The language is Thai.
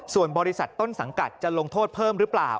ส่วนบริษัทต้นสังกัดจะลงโทษเพิ่มหรือเปล่า